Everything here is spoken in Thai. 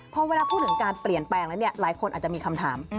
พอเวลาพูดถึงการเปลี่ยนแปลงแล้วเนี่ยหลายคนอาจจะมีคำถาม